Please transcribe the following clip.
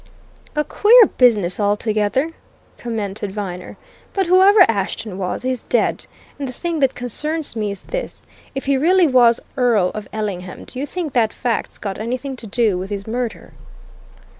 '" "A queer business altogether!" commented Viner. "But whoever Ashton was, he's dead. And the thing that concerns me is this: if he really was Earl of Ellingham, do you think that fact's got anything to do with his murder?"